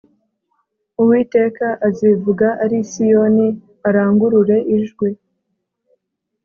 Uwiteka azivuga ari i Siyoni arangurure ijwi